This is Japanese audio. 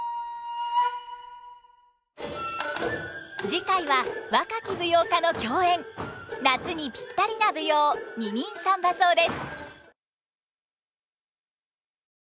次回は若き舞踊家の競演夏にぴったりな舞踊「二人三番叟」です。